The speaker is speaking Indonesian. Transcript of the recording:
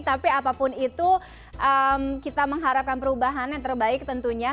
tapi apapun itu kita mengharapkan perubahan yang terbaik tentunya